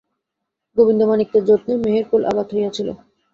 গোবিন্দমাণিক্যের যত্নে মেহেরকুল আবাদ হইয়াছিল।